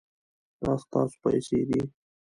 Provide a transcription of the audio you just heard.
دا ستاسو پیسې دي